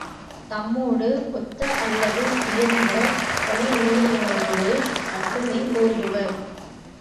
தம்மோடு ஒத்த, அல்லது உயர்ந்த வலிமையுடையவரோடு மட்டுமே போரிடுவர்.